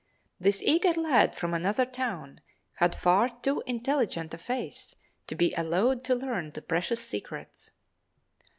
This eager lad from another town had far too intelligent a face to be allowed to learn the precious secrets.